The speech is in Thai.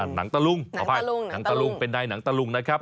หนังตะลุงขออภัยหนังตะลุงเป็นนายหนังตะลุงนะครับ